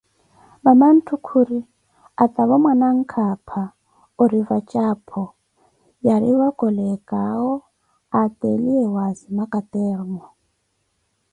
Mamanthu khuri, atavo mwananka âpha ori vatje aphô, yariwa colecawo ateliye waazima caternu.